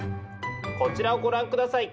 こちらをご覧下さい。